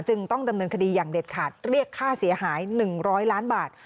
ต้องดำเนินคดีอย่างเด็ดขาดเรียกค่าเสียหาย๑๐๐ล้านบาท